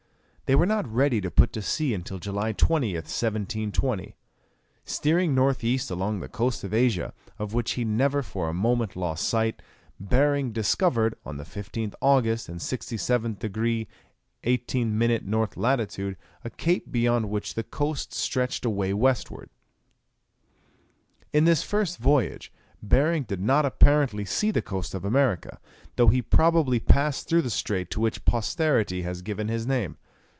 They were not ready to put to sea until July 20th, 1720. Steering north east along the coast of Asia, of which he never for a moment lost sight, Behring discovered, on the 15th August, in 67 degrees 18 minutes N. lat. a cape beyond which the coast stretched away westwards. In this first voyage Behring did not apparently see the coast of America, though he probably passed through the strait to which posterity has given his name.